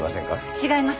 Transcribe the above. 違います。